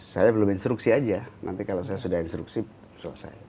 saya belum instruksi aja nanti kalau saya sudah instruksi selesai